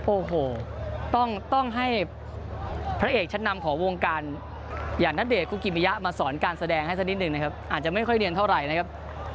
โอ้โหต้องให้พระเอกชั้นนำของวงการอย่างณเดชนคุกิมิยะมาสอนการแสดงให้สักนิดหนึ่งนะครับอาจจะไม่ค่อยเรียนเท่าไหร่นะครับ